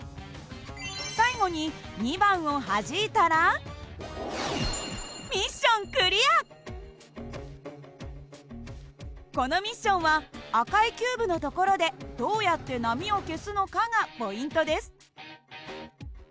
最後に２番をはじいたらこのミッションは赤いキューブの所でどうやって波を消すのかがポイントです。